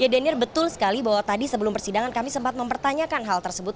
ya daniel betul sekali bahwa tadi sebelum persidangan kami sempat mempertanyakan hal tersebut